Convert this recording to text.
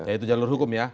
ya itu jalur hukum ya